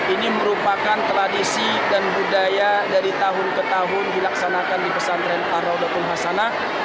ini merupakan tradisi dan budaya dari tahun ke tahun dilaksanakan di pesantren paradokun hasanah